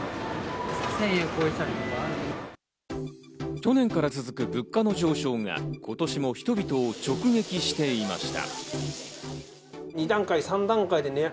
去年から続く物価の上昇が、今年も人々を直撃していました。